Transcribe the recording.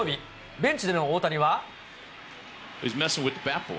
ベンチでの大谷は。